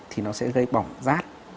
thì nó sẽ gây bỏng rát